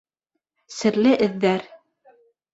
Серле эҙҙәр